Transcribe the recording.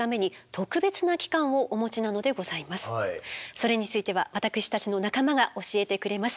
それについては私たちの仲間が教えてくれます。